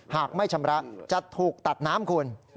หากไม่ชำระจะถูกตัดน้ำคุณ